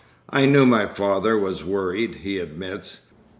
'I knew my father was worried,' he admits.